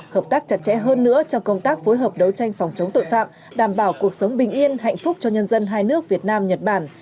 hợp tác chặt chẽ hơn nữa trong công tác phối hợp đấu tranh phòng chống tội phạm đảm bảo cuộc sống bình yên hạnh phúc cho nhân dân hai nước việt nam nhật bản